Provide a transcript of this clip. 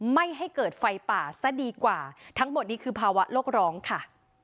ไม่ให้เกิดไฟป่าซะดีกว่าทั้งหมดนี้คือภาวะโลกร้องค่ะ